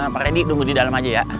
pak randy tunggu di dalam aja ya